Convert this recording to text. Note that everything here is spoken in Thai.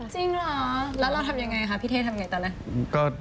จริงเหรอแล้วเราทำอย่างไรค่ะพี่เทศทำอย่างไรตอนนั้น